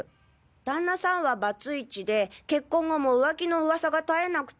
旦那さんはバツイチで結婚後も浮気の噂が絶えなくて。